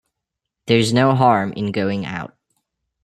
There's no harm in going out.